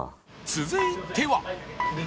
続いては